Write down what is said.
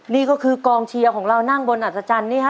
นี่ก็คือกองเชียร์ของเรานั่งบนอัศจรรย์นี่ฮะ